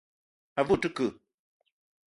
A ve o te ke ?